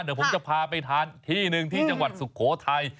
เดี๋ยวผมจะพาไปทานที่หนึ่งที่จังหวัดสุโขทัย